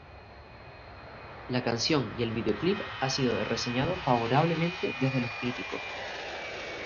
La canción y el videoclip ha sido reseñado favorablemente desde los críticos.